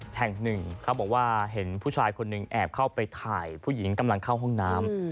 แห่งหนึ่งเขาบอกว่าเห็นผู้ชายคนหนึ่งแอบเข้าไปถ่ายผู้หญิงกำลังเข้าห้องน้ำ